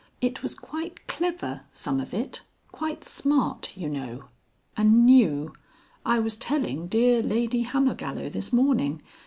It was quite clever, some of it, quite smart, you know. And new. I was telling dear Lady Hammergallow this morning.